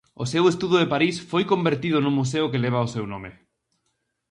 O seu estudo de París foi convertido nun museo que leva o seu nome.